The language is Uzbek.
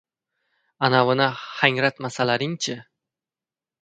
— Anavini hangratmasalaring-chi!